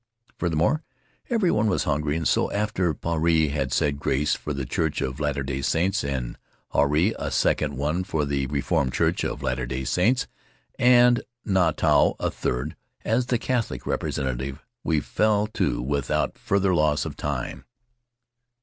Furthermore, everyone was hungry, and so, after Puarei had said grace for the Church of Latter Day Saints, and Huirai a second one for the Reformed Church of Latter Day Saints, and Nui Tano a third as the Catholic representative, we fell to without further loss of time.